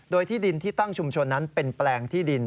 โดยที่ดินที่ตั้งชุมชนนั้นเป็นแปลงที่ดิน